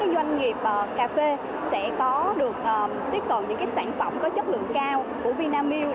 doanh nghiệp cà phê sẽ có được tiếp cận những sản phẩm có chất lượng cao của vinamilk